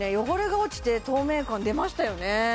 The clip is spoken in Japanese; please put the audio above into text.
汚れが落ちて透明感出ましたよね